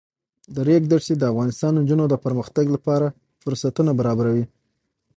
د ریګ دښتې د افغان نجونو د پرمختګ لپاره فرصتونه برابروي.